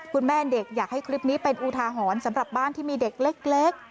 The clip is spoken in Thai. แม่เด็กอยากให้คลิปนี้เป็นอุทาหรณ์สำหรับบ้านที่มีเด็กเล็ก